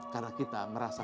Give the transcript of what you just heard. karena kita merasa